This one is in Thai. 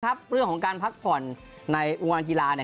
ครับเรื่องของการพักผ่อนในอุงวันกีฬาเนี่ย